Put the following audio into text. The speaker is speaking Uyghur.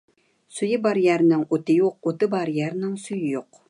سۈيى بار يەرنىڭ ئوتى يوق، ئوتى بار يەرنىڭ سۈيى يوق.